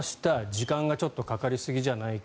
時間がちょっとかかりすぎじゃないか。